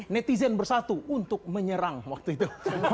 netizen bersatu untuk menyerang waktu itu